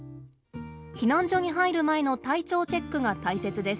避難所に入る前の体調チェックが大切です。